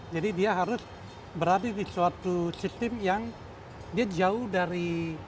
jadi dia harus berada di suatu sistem yang dia jauh dari